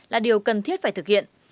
là điều cần thiết phải thực hiện